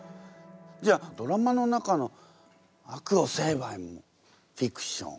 じゃあドラマの中の悪を成敗もフィクション。